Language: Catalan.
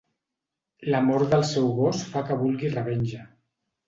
La mort del seu gos fa que vulgui revenja.